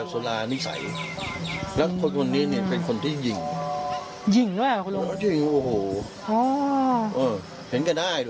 เขาว่าอย่างนั้น